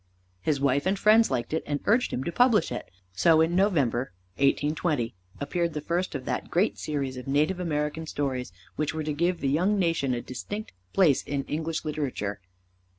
His wife and friends liked it and urged him to publish it; so in November, 1820, appeared the first of that great series of native American stories which were to give the young nation a distinct place in English literature.